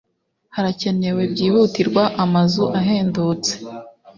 harakenewe byihutirwa amazu ahendutse